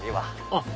あっ！